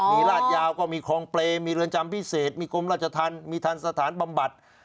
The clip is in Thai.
มีราดยาวก็มีคลองเปรย์มีเรือนจำพิเศษมีกรมราชธรรมมีทันสถานบำบัด